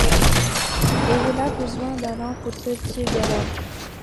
Et il a besoin d'Alain pour sortir de là…